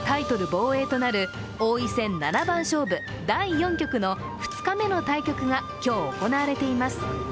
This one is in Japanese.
防衛となる王位戦七番勝負第４局の２日目の対局が今日行われています。